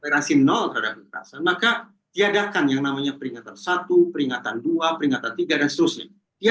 relasi nol terhadap kekerasan maka diadakan yang namanya peringatan satu peringatan dua peringatan tiga dan seterusnya dia